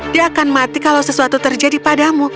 dia akan mati kalau sesuatu terjadi padamu